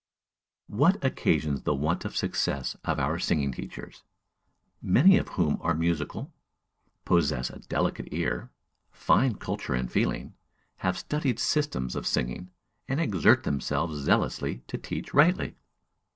What occasions the want of success of our singing teachers, many of whom are musical, possess a delicate ear, fine culture and feeling, have studied systems of singing, and exert themselves zealously to teach rightly?